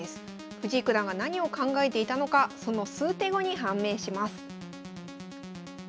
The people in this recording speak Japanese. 藤井九段が何を考えていたのかその数手後に判明します。